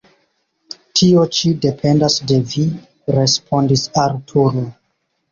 Tio ĉi dependas de vi, respondis Arturo.